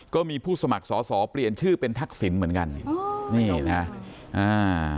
ก็มีผู้สมัครสอสอเปลี่ยนชื่อเป็นทักษิณเหมือนกันอ๋อนี่นะอ่า